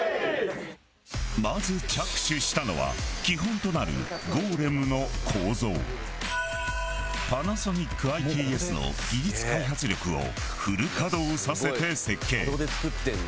まず着手したのは基本となるＰａｎａｓｏｎｉｃＩＴＳの技術開発力をフル稼働させて設計。